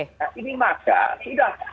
nah ini maka tidak